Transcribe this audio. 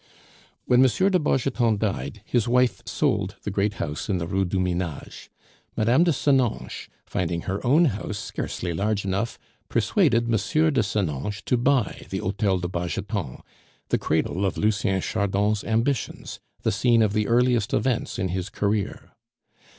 When M. de Bargeton died, his wife sold the great house in the Rue du Minage. Mme. de Senonches, finding her own house scarcely large enough, persuaded M. de Senonches to buy the Hotel de Bargeton, the cradle of Lucien Chardon's ambitions, the scene of the earliest events in his career.